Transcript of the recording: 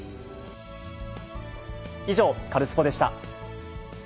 以上、カルスポっ！でした。